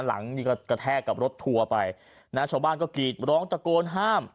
หลังนี่ก็กระแทกกับรถทัวร์ไปนะชาวบ้านก็กรีดร้องตะโกนห้าม